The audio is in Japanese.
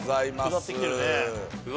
下ってきてるね。